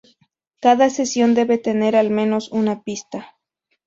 Cada sesión debe tener al menos una pista.